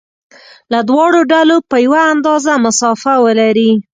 له دواړو ډلو په یوه اندازه مسافه ولري.